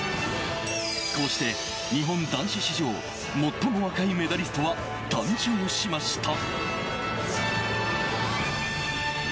こうして日本男子史上最も若いメダリストは誕生しました。